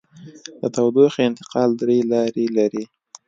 د تودوخې انتقال درې لارې لري.